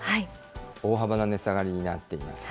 大幅な値下がりになっています。